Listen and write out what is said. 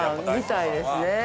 ◆みたいですね。